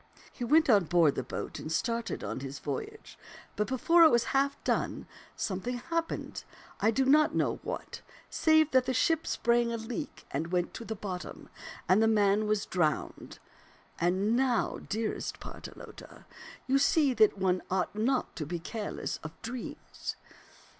He went on board the boat and started on his voyage ; but before it was half done, something happened, I do not know what, save that the ship sprang a leak and went to the bottom, and the man was drowned. And now, dearest Partelote, you see that one ought not to be careless of dreams.